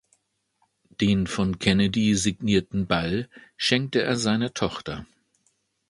Den von Kennedy signierten Ball schenkte er seiner Tochter.